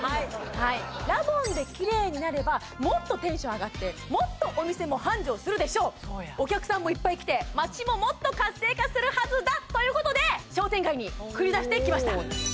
はいラボンでキレイになればもっとテンション上がってもっとお店も繁盛するでしょうそうやお客さんもいっぱい来て街ももっと活性化するはずだということで商店街に繰り出してきました